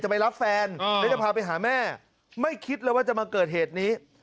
ไปรับแฟนแล้วจะพาไปหาแม่ไม่คิดเลยว่าจะมาเกิดเหตุนี้